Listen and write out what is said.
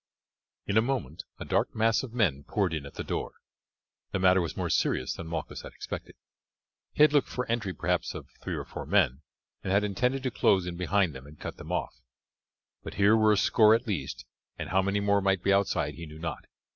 In a moment a dark mass of men poured in at the door. The matter was more serious than Malchus had expected. He had looked for the entry perhaps of three or four men, and had intended to close in behind them and cut them off; but here were a score at least, and how many more might be outside he knew not.